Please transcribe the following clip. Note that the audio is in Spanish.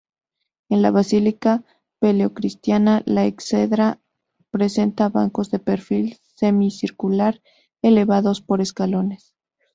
En la basílica paleocristiana, la exedra presenta bancos de perfil semicircular elevados por escalones.